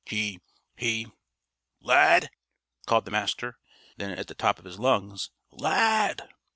He He " "Lad!" called the Master; then at the top of his lungs. "_Lad!